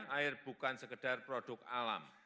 air bukan sekedar produk alam